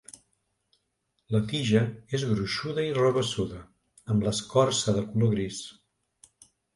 La tija és gruixuda i rabassuda amb l'escorça de color gris.